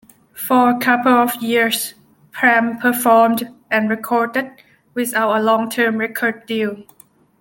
For a couple of years, Pram performed and recorded without a long-term record deal.